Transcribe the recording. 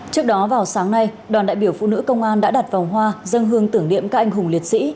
trước đó vào sáng nay đoàn đại biểu phụ nữ công an đã đặt vòng hoa dân hương tưởng niệm các anh hùng liệt sĩ